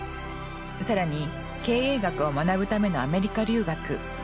更に経営学を学ぶためのアメリカ留学。